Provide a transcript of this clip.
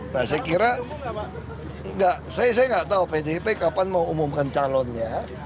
nah saya kira saya nggak tahu pdip kapan mau umumkan calonnya